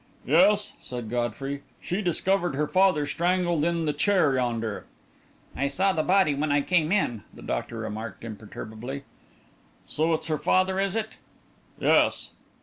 "Yes," said Godfrey, "she discovered her father strangled in the chair yonder." "I saw the body when I came in," the doctor remarked, imperturbably. "So it's her father, is it?" "Yes."